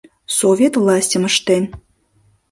Совет властьым ыштен.